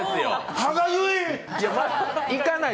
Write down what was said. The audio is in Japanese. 歯がゆい！